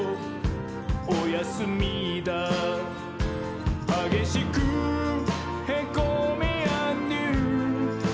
おやすみだー」「はげしくへこみーあんどゆー」